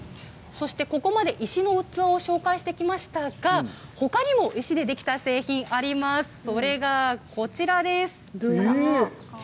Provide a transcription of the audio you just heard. ここまで石の器を紹介してきましたがほかにも石でできた製品があります。